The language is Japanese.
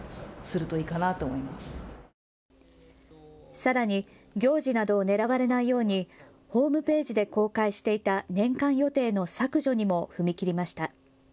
さらに行事などを狙われないようにホームページで公開していた年間予定の削除にも踏み切りました。